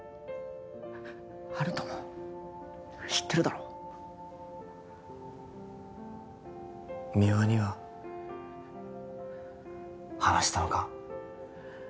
温人も知ってるだろ三輪には話したのか？